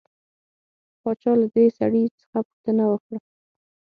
باچا له دې سړي څخه پوښتنه وکړه.